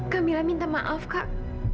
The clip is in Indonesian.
kak mila minta maaf kak